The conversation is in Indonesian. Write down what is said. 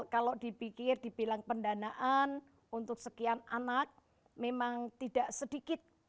kalau dipikir dibilang pendanaan untuk sekian anak memang tidak sedikit